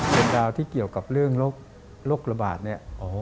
เป็นดาวที่เกี่ยวกับเรื่องโรคระบาดเนี่ย